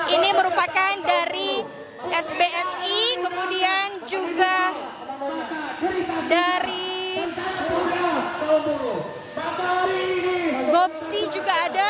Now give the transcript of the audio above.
ini merupakan dari sbsi kemudian juga dari gopsi juga ada